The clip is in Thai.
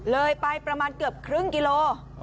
เลยไปประมาณเกือบครึ่งกิโล